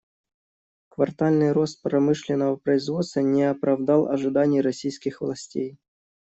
Квартальный рост промышленного производства не оправдал ожиданий российских властей.